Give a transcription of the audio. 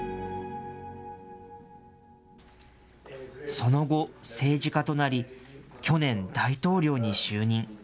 その後、政治家となり、去年、大統領に就任。